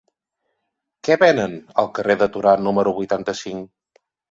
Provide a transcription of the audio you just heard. Què venen al carrer de Torà número vuitanta-cinc?